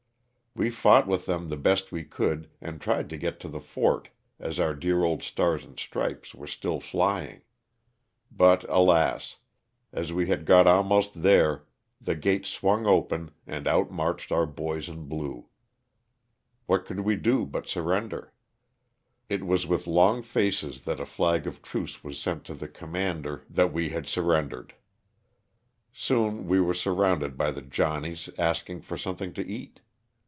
We fought with them the best we could and tried to get to the fort, as our dear old stars and stripes were still flying. But alas ! as we had got almost there the gates swung open and out marched our boys in blue. What could we do but surrender ? It was with long faces that a flag of truce was sent to the commander 154 LOSS OF THE SULTAN^A. that we had surrendered. Soon we were surrounded by the "Johnnies,'' asking for something to eat.